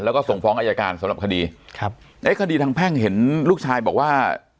แล้วก็ส่งฟ้องอายการสำหรับคดีครับไอ้คดีทางแพ่งเห็นลูกชายบอกว่า